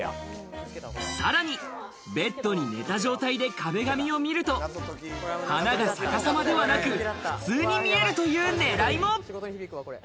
さらにベッドに寝た状態で壁紙を見ると花が逆さまではなく、普通に見えるという狙いも。